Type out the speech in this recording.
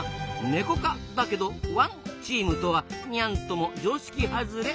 ネコ科だけど「ワン」チームとは「ニャン」とも常識はずれ。